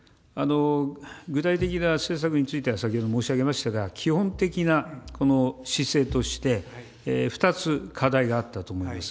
具体的な施策については、先ほど申し上げましたが、基本的な姿勢として、２つ課題があったと思います。